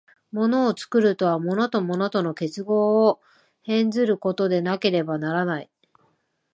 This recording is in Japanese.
物を作るとは、物と物との結合を変ずることでなければならない。